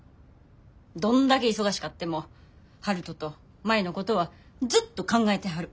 どんだけ忙しかっても悠人と舞のことはずっと考えてはる。